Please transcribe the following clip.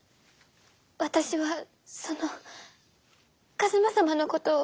私はその一馬様のことを。